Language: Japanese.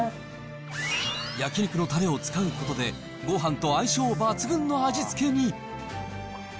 焼き肉のたれを使うことで、ごはんと相性抜群の味付けに。